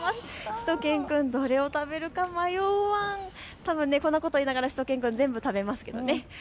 しゅと犬くん、どれを食べるか迷うワン、こんなこと言いながらしゅと犬くん全部食べます。